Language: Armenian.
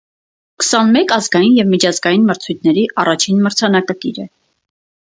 Քսանմեկ ազգային և միջազգային մրցույթների առաջին մրցանակակիր է։